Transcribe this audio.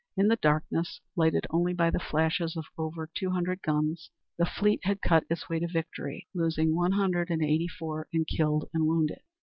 In the darkness, lighted only by the flashes of over two hundred guns, the fleet had cut its way to victory, losing one hundred and eighty four in killed and wounded.